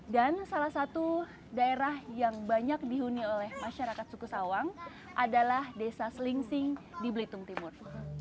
dan salah satu daerah yang banyak dihuni oleh masyarakat suku sawang adalah desa selingsing di belitung timur